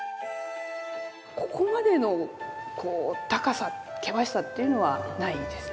ここまでの高さ険しさっていうのはないです。